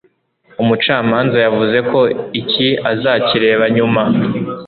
umucamanza yavuze ko iki azakireba nyuma